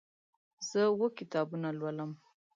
زه اوه کتابونه لولم.